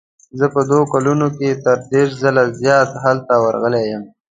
زه په دوو کلونو کې تر دېرش ځله زیات هلته ورغلی یم.